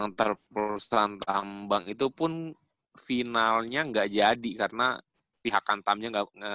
antar perusahaan tambang itu pun finalnya gak jadi karena pihak antamnya gak